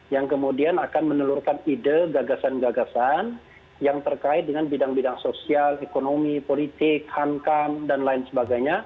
yang kemudian akan menelurkan ide gagasan gagasan yang terkait dengan bidang bidang sosial ekonomi politik hankam dan lain sebagainya